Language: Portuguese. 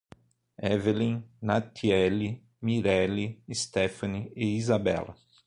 Evellyn, Natieli, Mireli, Sthefany e Izabella